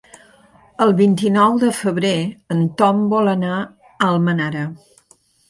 El vint-i-nou de febrer en Tom vol anar a Almenara.